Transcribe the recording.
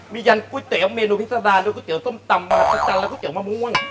มียันกุ้ยเต๋วเมนูพิษดาด้วยกุ้ยเต๋วส้มตำหัวสะจันและกุ้ยเต๋วมะม่วง